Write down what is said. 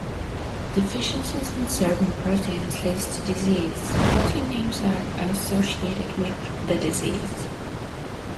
Deficiencies in certain proteins leads to disease; protein names are associated with the disease.